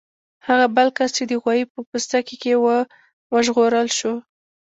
هغه بل کس چې د غوايي په پوستکي کې و وژغورل شو.